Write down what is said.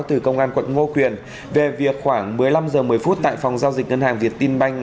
từ công an quận ngô quyền về việc khoảng một mươi năm h một mươi phút tại phòng giao dịch ngân hàng việt tinh banh